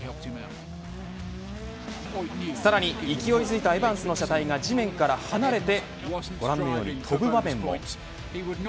さらに勢いづいたエバンスの車体が地面から離れてご覧のように飛ぶ場面も。